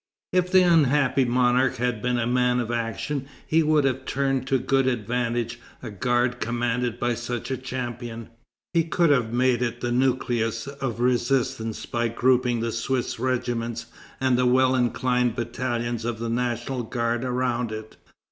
If the unhappy monarch had been a man of action, he would have turned to good advantage a guard commanded by such a champion. He could have made it the nucleus of resistance by grouping the Swiss regiments and the well inclined battalions of the National Guard around it.